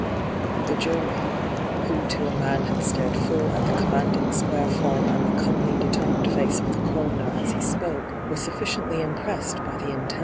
The jury, who to a man had stared full at the commanding, square form and the comely, determined face of the coroner as he spoke, were sufficiently impressed by the intense